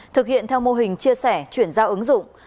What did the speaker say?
thực hiện theo mô hình chia sẻ chuyển giao ứng dụng